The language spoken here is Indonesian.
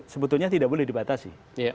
sebetulnya tidak boleh dikurangi